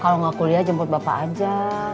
kalau nggak kuliah jemput bapak aja